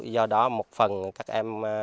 do đó một phần các em